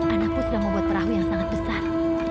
anakku sudah membuat perahu yang sangat besar